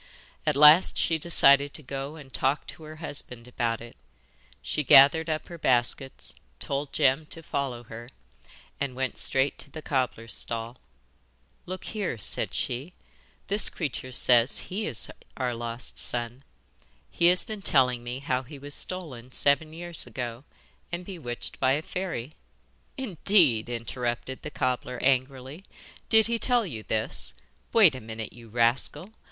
At last she decided to go and talk to her husband about it. She gathered up her baskets, told Jem to follow her, and went straight to the cobbler's stall. 'Look here,' said she, 'this creature says he is our lost son. He has been telling me how he was stolen seven years ago, and bewitched by a fairy.' 'Indeed!' interrupted the cobbler angrily. 'Did he tell you this? Wait a minute, you rascal!